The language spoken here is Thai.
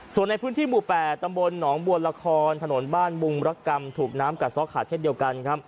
ส่วนในพื้นที่หมู่๘ตำบลหนองบัวละครถนนบ้านบุงรกรรมถูกน้ำกัดซ้อขาดเช่นเดียวกันครับ